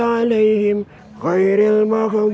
assalamualaikum warahmatullahi wabarakatuh